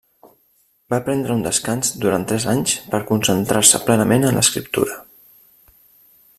Va prendre un descans durant tres anys per concentrar-se plenament en l'escriptura.